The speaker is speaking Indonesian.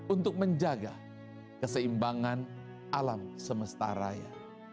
untuk menjaga keseimbangan alam semesta raya